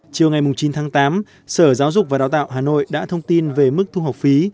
chiều ngày chín tháng tám sở giáo dục và đào tạo hà nội đã thông tin về mức thu học phí